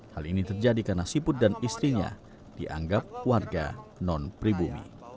hal ini terjadi karena siput dan istrinya dianggap warga non pribumi